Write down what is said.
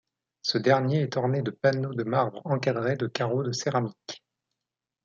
Ce dernier est orné de panneaux de marbre encadrés de carreaux de céramique.